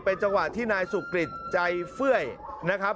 เป็นจังหวะที่นายสุกฤทธิ์ใจเฟื่อยนะครับ